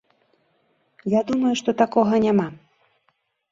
Я думаю, што такога няма.